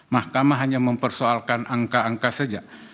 mahkamah hanya mempersoalkan angka angka saja